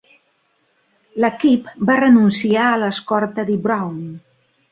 L'equip va renunciar a l'escorta Dee Brown.